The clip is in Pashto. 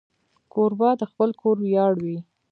کوربه د خپل کور ویاړ وي.